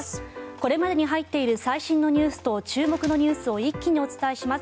これまでに入っている最新のニュースと注目のニュースを一気にお伝えします。